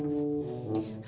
jangan lupa indone ordered